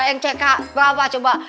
yang cek berapa coba